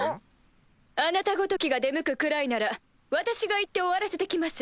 あなたごときが出向くくらいなら私が行って終わらせて来ます。